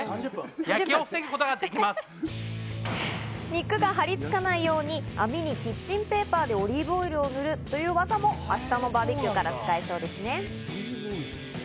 肉が張りつかないように網にキッチンペーパーでオリーブオイルを塗るという技も明日のバーベキューから使えそうですね。